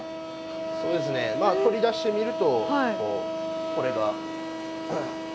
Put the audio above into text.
そうですね取り出してみるとこれが。